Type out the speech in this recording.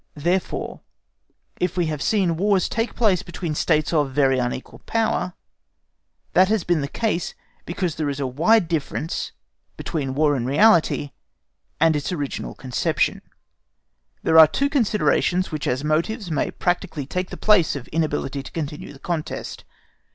Therefore, if we have seen Wars take place between States of very unequal power, that has been the case because there is a wide difference between War in reality and its original conception. There are two considerations which as motives may practically take the place of inability to continue the contest.